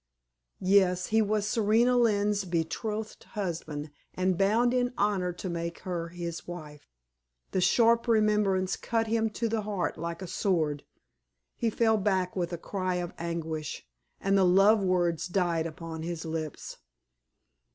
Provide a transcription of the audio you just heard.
Yes, he was Serena Lynne's betrothed husband, and bound in honor to make her his wife. The sharp remembrance cut him to the heart like a sword. He fell back with a cry of anguish, and the love words died upon his lips.